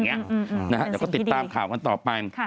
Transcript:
เดี๋ยวก็ติดตามข่าวกันต่อไป